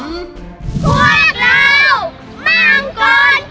พวกเรามากกว่าจิ๋ว